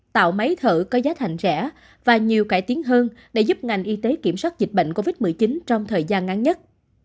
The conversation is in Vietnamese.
tạo máy thở có giá thành rẻ và nhiều cải tiến hơn để giúp ngành y tế kiểm soát dịch bệnh covid một mươi chín trong thời gian ngắn nhất